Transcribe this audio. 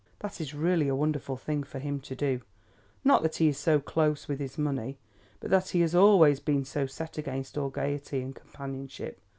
That is really a wonderful thing for him to do. Not that he is so close with his money, but that he has always been so set against all gaiety and companionship.